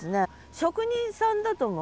職人さんだと思う？